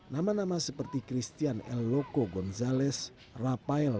nama nama yang terpilih tidak asing bagi pelingga pecinta sepak bola nasional